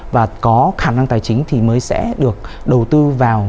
và có khả năng tài chính thì mới sẽ được đầu tư vào